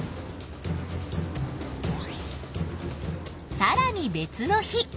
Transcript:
さらに別の日。